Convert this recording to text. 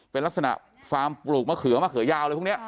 เป็นลักษณะฟาร์มปลูกมะเขือมะเขือยาวอะไรพวกนี้